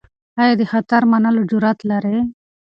آیا ته د خطر منلو جرئت لرې؟